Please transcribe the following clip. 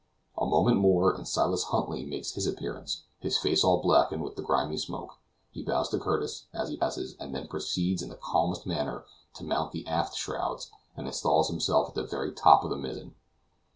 A moment more, and Silas Huntly makes his appearance, his face all blackened with the grimy smoke; he bows to Curtis, as he passes, and then proceeds in the calmest manner to mount the aft shrouds, and installs himself at the very top of the mizzen.